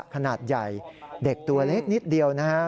ขนาดใหญ่เด็กตัวเล็กนิดเดียวนะครับ